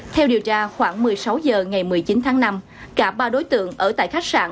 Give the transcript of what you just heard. theo điều tra khoảng một mươi sáu h ngày một mươi chín tháng năm cả ba đối tượng ở tại khách sạn